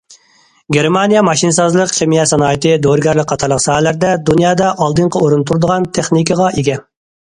گېرمانىيە ماشىنىسازلىق، خىمىيە سانائىتى، دورىگەرلىك قاتارلىق ساھەلەردە دۇنيادا ئالدىنقى ئورۇندا تۇرىدىغان تېخنىكىغا ئىگە.